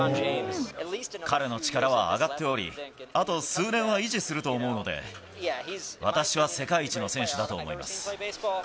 彼の力は上がっており、あと数年は維持すると思うので、私は世界一の選手だと思います。